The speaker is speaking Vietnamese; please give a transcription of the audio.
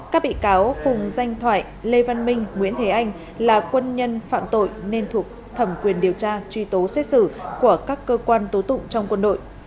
các bị cáo phùng danh thoại lê văn minh nguyễn thế anh là quân nhân phạm tội nên thuộc thẩm quyền điều tra truy tố xét xử của các cơ quan tố tụng trong quân đội